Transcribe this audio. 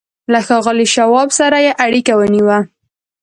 له ښاغلي شواب سره یې اړیکه ونیوه